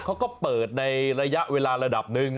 เขาก็เปิดในระยะเวลาระดับหนึ่ง